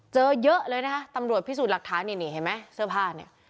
เจอเยอะเลยนะคะตำรวจพิสูจน์หลักฐานนี่นี่เห็นไหมเสื้อผ้าเนี่ย